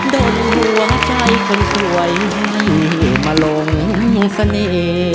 โดนหวังใจคนสวยมาลงเสน่ห์